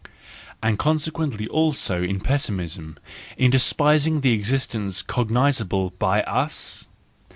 And consequently also in Pessimism, in despising the existence cognisable by us?